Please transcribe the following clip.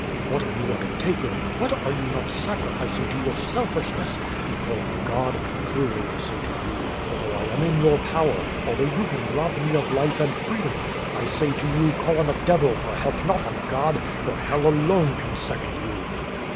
What are you undertak ing; what are you not sacrificing to your selfishness? You call on God! Truly I say to you, although I am in your power, although you can rob me of life and freedom — I say to you, call on the Devil for help, not on God; for Ilell alone can second you!"